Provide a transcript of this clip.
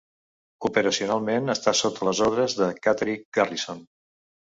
Operacionalment està sota les ordres de Catterick Garrison.